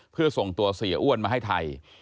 เพื่อส่งตัวเสียอ้วนมาให้ไทย